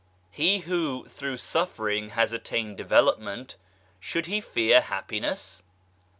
" He who through suffering has attained development, should he fear happiness